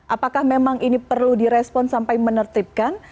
apakah memang ini perlu direspon sampai menertibkan